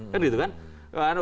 kan gitu kan